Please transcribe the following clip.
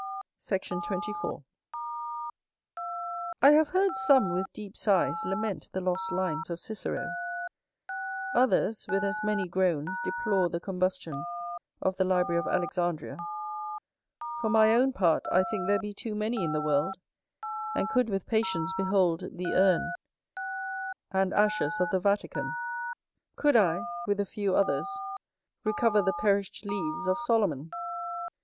Sect. 24. I have heard some with deep sighs lament the lost lines of Cicero; others with as many groans deplore the combustion of the library of Alexandria; for my own part, I think there be too many in the world; and could with patience behold the urn and ashes of the Vatican, could I, with a few others, recover the perished leaves of Solomon.